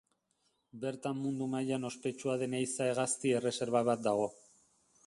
Bertan mundu mailan ospetsua den ehiza hegazti erreserba bat dago.